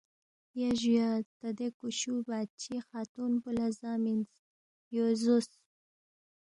یا جُویا تا دے کُشُو بادشائی خاتُون پو لہ زا مِنس، یو زوس